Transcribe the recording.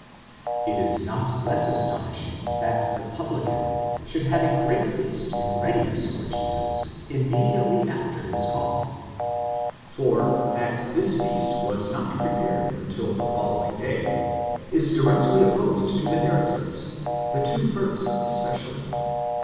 It is not less astonishing that the publican should have a great feast in readiness for Jesus immediately after his call. For that this feast was not prepared until the following day,!9 is directly opposed to the narratives, the two first especially.